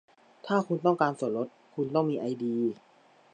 ถ้าคุณต้องการส่วนลด คุณต้องมีไอดี